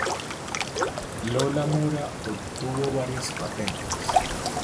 Lola Mora obtuvo varias patentes.